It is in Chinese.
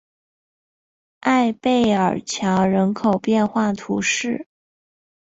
埃贝尔桥人口变化图示